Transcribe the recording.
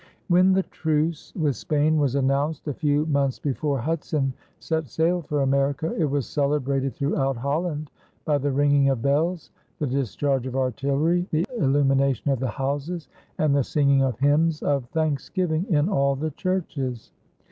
When the truce with Spain was announced, a few months before Hudson set sail for America, it was celebrated throughout Holland by the ringing of bells, the discharge of artillery, the illumination of the houses, and the singing of hymns of thanksgiving in all the churches.